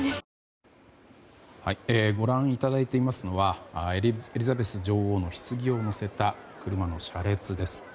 ご覧いただいていますのはエリザベス女王のひつぎを乗せた車の車列です。